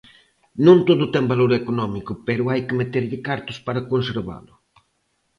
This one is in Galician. Non todo ten valor económico, pero hai que meterlle cartos para conservalo.